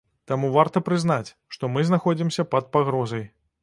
Таму варта прызнаць, што мы знаходзімся пад пагрозай.